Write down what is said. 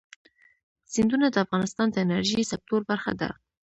سیندونه د افغانستان د انرژۍ سکتور برخه ده.